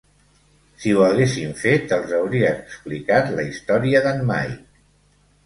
Si ho haguessin fet, els hauria explicat la història d'en Mike.